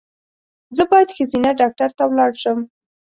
زه باید ښځېنه ډاکټر ته ولاړ شم